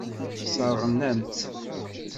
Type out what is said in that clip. Sseṛɣen-am-tt.